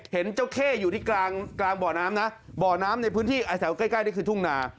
เห็นเจ้าเข้อยู่ที่กลางบ่อน้ำนะบ่อน้ำในพื้นที่แถวใกล้นี่คือทุ่งนา